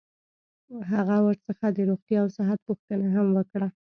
هغه ورڅخه د روغتیا او صحت پوښتنه هم وکړه.